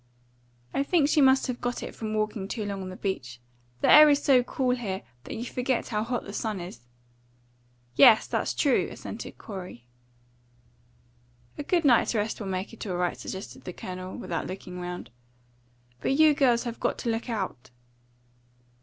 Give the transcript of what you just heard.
"I think she must have got it from walking too long on the beach. The air is so cool here that you forget how hot the sun is." "Yes, that's true," assented Corey. "A good night's rest will make it all right," suggested the Colonel, without looking round. "But you girls have got to look out."